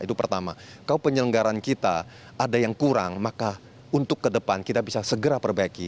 itu pertama kalau penyelenggaran kita ada yang kurang maka untuk ke depan kita bisa segera perbaiki